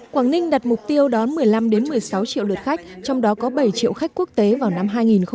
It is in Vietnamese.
quảng ninh đặt mục tiêu đón một mươi năm một mươi sáu triệu lượt khách trong đó có bảy triệu khách quốc tế vào năm hai nghìn hai mươi